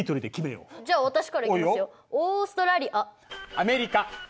アメリカ。